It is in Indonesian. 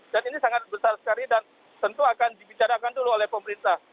dan ini sangat besar sekali dan tentu akan dibicarakan dulu oleh pemerintah